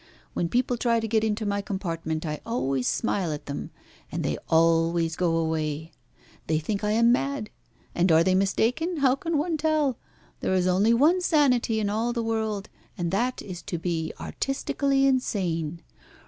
When people try to get into my compartment I always smile at them, and they always go away. They think that I am mad. And are they mistaken? How can one tell? There is only one sanity in all the world, and that is to be artistically insane.